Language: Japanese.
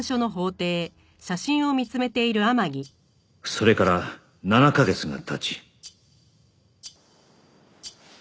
それから７カ月が経ち